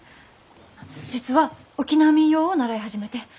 実は沖縄民謡を習い始めて。